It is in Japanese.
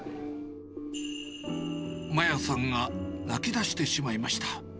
麻椰さんが泣きだしてしまいました。